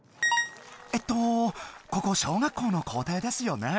えっとここ小学校の校庭ですよね？